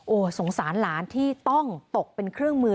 โอ้โหสงสารหลานที่ต้องตกเป็นเครื่องมือ